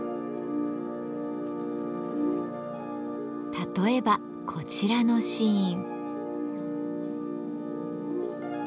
例えばこちらのシーン。